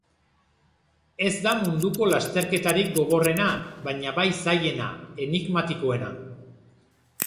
Ez da munduko lasterketarik gogorrena, baina bai zailena, enigmatikoena.